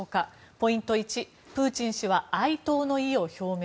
ポイント１プーチン氏は哀悼の意を表明。